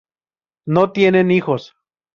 No tienen hijos.